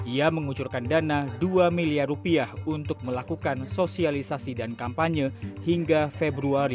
ia mengucurkan dana dua miliar rupiah untuk melakukan sosialisasi dan kampanye hingga februari